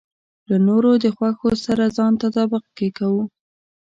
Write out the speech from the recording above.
له نورو د خوښو سره ځان تطابق کې کوو.